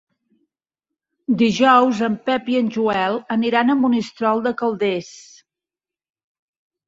Dijous en Pep i en Joel aniran a Monistrol de Calders.